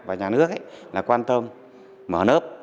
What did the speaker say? và nhà nước ấy là quan tâm mở nớp